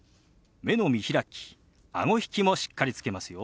目の見開きあご引きもしっかりつけますよ。